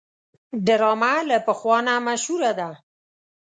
ډرامه له پخوا نه مشهوره ده